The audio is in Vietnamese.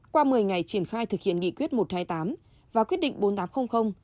qua một mươi ngày triển khai thực hiện nghị quyết một trăm hai mươi tám và quyết định bốn nghìn tám trăm linh